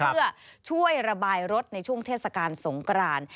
เพื่อช่วยระบายรถในช่วงเทศกาลสงกราน